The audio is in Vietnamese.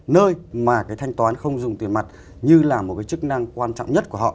nơi mà cái thanh toán không dùng tiền mặt như là một cái chức năng quan trọng nhất của họ